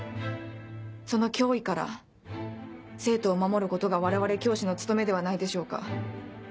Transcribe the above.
その脅威から生徒を守ることが我々教師の務めではないでしょうか。